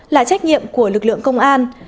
là trách nhiệm của lực lượng công an